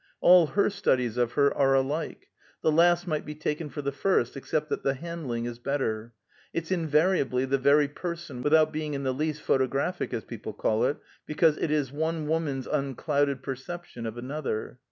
All her studies of her are alike; the last might be taken for the first, except that the handling is better. It's invariably the very person, without being in the least photographic, as people call it, because it is one woman's unclouded perception of another.